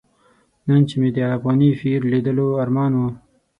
نن چې مې د افغاني پیر لیدلو ارمان و.